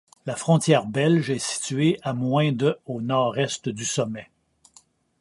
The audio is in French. La frontière belge est située à moins de au nord-est du sommet.